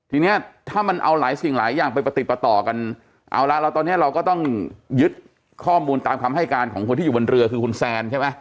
ทีนี้ถ้ามันเอาหลายสิ่งหลายอย่างไปประติดประต่อกันเอาละแล้วตอนนี้เราก็ต้องยึดข้อมูลตามคำให้การของคนที่อยู่บนเรือคือคุณแซนใช่ไหม